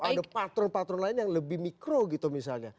ada patron patron lain yang lebih mikro gitu misalnya